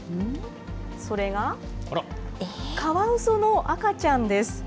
それが、カワウソの赤ちゃんです。